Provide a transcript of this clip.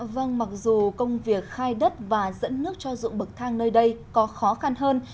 vâng mặc dù công việc khai đất và dẫn nước cho ruộng bậc thang nơi đây có khó khăn hơn